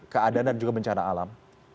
keadaan dan juga bencana alam